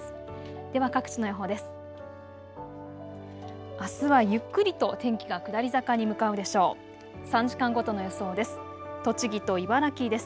では各地の予報です。